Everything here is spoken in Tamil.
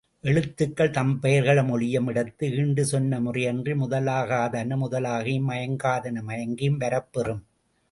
எழுத்துக்கள் தம்பெயர்களை மொழியு மிடத்து ஈண்டுச் சொன்ன முறையன்றி, முதலாகாதன முதலாகியும் மயங்காதன மயங்கியும் வரப்பெறும்.